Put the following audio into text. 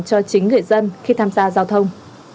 cho chính người dân khi tham gia giao thông